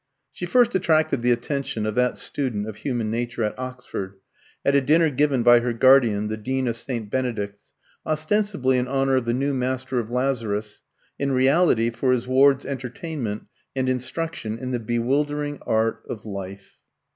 She first attracted the attention of that student of human nature at Oxford, at a dinner given by her guardian, the Dean of St. Benedict's, ostensibly in honour of the new Master of Lazarus, in reality for his ward's entertainment and instruction in the bewildering art of life.